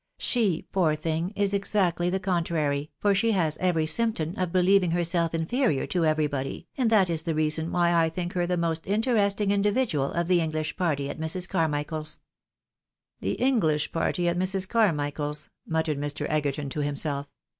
She, poor thing, is exactly the contrary, for she has every symptom of believing herself inferior to everybody, and that is the reason why I think her the most interesting individual of the English party at Mrs. Carraichael's." " The English party at JNIrs. Carmichael's," muttered Mr. Egerton to himself.